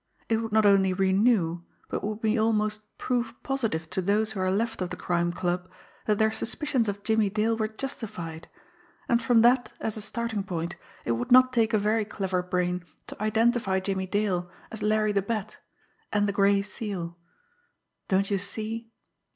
It would not only renew, but would be almost proof positive to those who are left of the Crime Club that their suspicions of Jimmie Dale were justified, and from that as a starting point it would not take a very clever brain to identify Jimmie Dale as Larry the Bat and the Gray Seal. Don't you see!